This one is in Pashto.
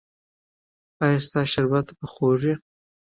ایا ستاسو شربت به خوږ وي؟